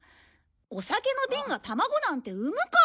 お酒の瓶が卵なんて産むか！